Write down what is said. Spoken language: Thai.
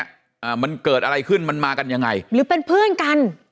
อ่ามันเกิดอะไรขึ้นมันมากันยังไงหรือเป็นเพื่อนกัน